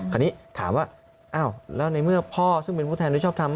คราวนี้ถามว่าอ้าวแล้วในเมื่อพ่อซึ่งเป็นผู้แทนโดยชอบทำ